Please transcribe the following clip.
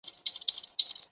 ঠিক আছেন তো, বস?